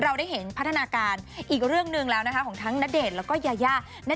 เราได้เห็นพัฒนาการอีกเรื่องหนึ่งแล้วนะคะของทั้งณเดชน์แล้วก็ยายา